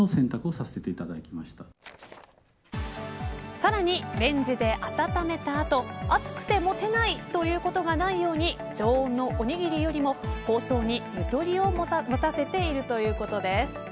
さらに、レンジで温めた後熱くて持てないということがないように常温のおにぎりよりも包装にゆとりを持たせているということです。